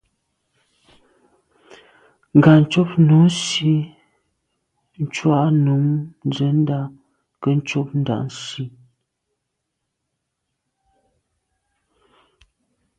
Ngatshob nu Nsi tshùa num nzendà nke’e ntsho Ndà Nsi.